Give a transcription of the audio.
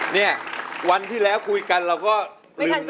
เนี่ยวันที่แล้วคุยกันแล้วก็ไม่ทันสริมสังเกต